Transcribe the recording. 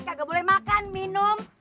kagak boleh makan minum